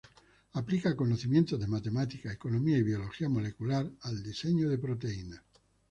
Aplica conocimientos de matemática, economía y biología molecular al diseño de proteínas.